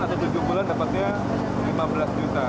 atau tujuh bulan dapatnya lima belas juta